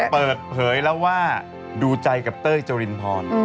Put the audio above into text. เปิดเผยแล้วว่าดูใจกับเต้ยจรินพร